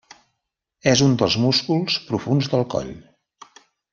És un dels músculs profunds del coll.